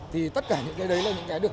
thì tất cả những cái đấy là những cái được